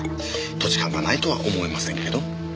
土地勘がないとは思えませんけど。